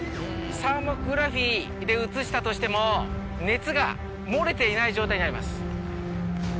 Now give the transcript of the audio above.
サーモグラフィーで映したとしても熱が漏れていない状態になります。